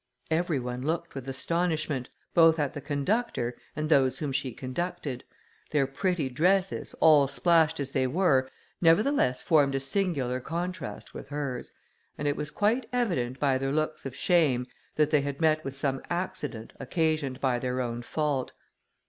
Every one looked with astonishment, both at the conductor, and those whom she conducted; their pretty dresses, all splashed as they were, nevertheless formed a singular contrast with hers, and it was quite evident, by their looks of shame, that they had met with some accident, occasioned by their own fault.